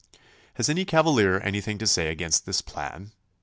'Has any cavalier anything to say against this plan?